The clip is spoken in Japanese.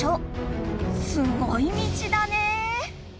すごい道だね。